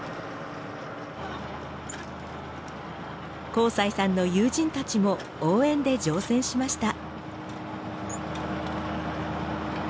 幸才さんの友人たちも応援で乗船しました。